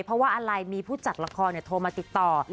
เพราะว่าอะไรมีผู้จัดละครโทรมาติดต่อ